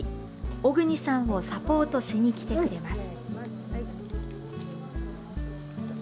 小國さんをサポートしに来てくれます。